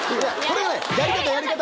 やり方、やり方。